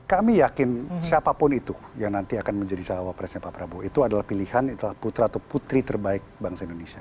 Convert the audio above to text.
kami yakin siapapun itu yang nanti akan menjadi cawapresnya pak prabowo itu adalah pilihan putra atau putri terbaik bangsa indonesia